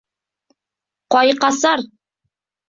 Ҡай-Ҡайсар!